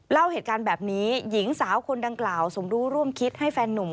เล่าเหตุการณ์แบบนี้หญิงสาวคนดังกล่าวสมรู้ร่วมคิดให้แฟนนุ่ม